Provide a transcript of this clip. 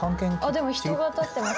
でも人が立ってますよ。